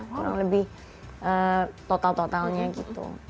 kurang lebih total totalnya gitu